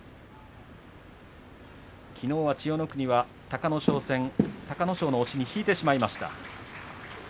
きのうは千代の国は隆の勝戦隆の勝の押しに引いてしまいました。